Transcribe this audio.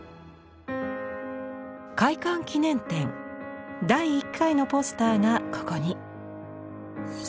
開館記念展第１回のポスターがここに。